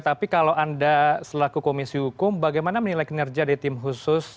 tapi kalau anda selaku komisi hukum bagaimana menilai kinerja dari tim khusus